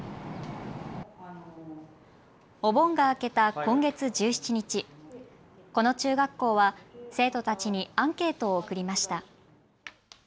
お盆が明けた今月１７日、この中学校は生徒たちにアンケートを送りました。